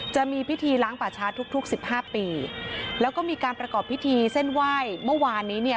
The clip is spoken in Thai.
จะมีพิธีล้างป่าช้าทุกทุกสิบห้าปีแล้วก็มีการประกอบพิธีเส้นไหว้เมื่อวานนี้เนี่ย